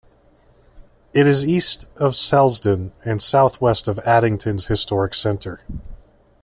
It is east of Selsdon, and south-west of Addington's historic centre.